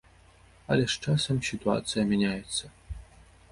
Але з часам сітуацыя мяняецца.